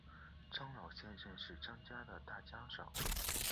张老先生是张家的大家长